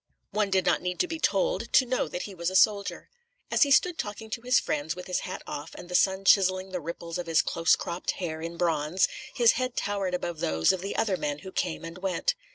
One did not need to be told, to know that he was a soldier. As he stood talking to his friends, with his hat off, and the sun chiselling the ripples of his close cropped hair in bronze, his head towered above those of the other men who came and went.